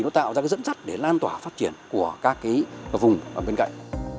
nó tạo ra dẫn dắt để lan tỏa phát triển của các vùng bên cạnh